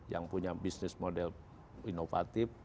yang punya bisnis model inovatif